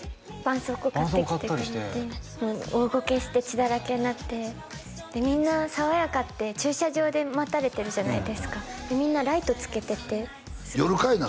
そうこう買ったりしてもう大ごけして血だらけになってみんな「さわやか」って駐車場で待たれてるじゃないですかでみんなライトつけてて夜かいな？